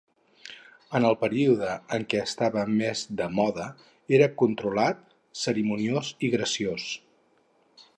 En el període en què estava més de moda era controlat, cerimoniós i graciós.